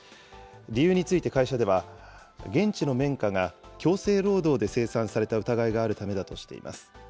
理由について会社では、現地の綿花が強制労働で生産された疑いがあるためだとしています。